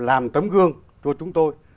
làm tấm gương cho chúng tôi